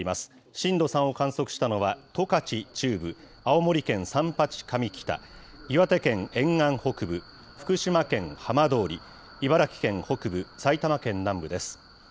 震度３を観測したのは十勝中部、青森県三八上北、岩手県沿岸北部、福島県浜通り、茨城県北部、埼玉県南部です。